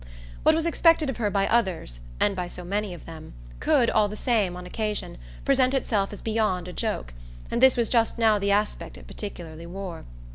What was expected of her by others and by so many of them could, all the same, on occasion, present itself as beyond a joke; and this was just now the aspect it particularly wore.